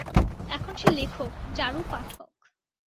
এখন সে লেখক, চারু পাঠক।